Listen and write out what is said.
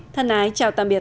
thân ái chào tạm biệt